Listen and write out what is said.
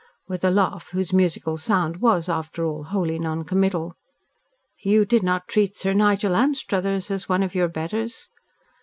with a laugh, whose musical sound was after all wholly non committal. "You did not treat Sir Nigel Anstruthers as one of your betters."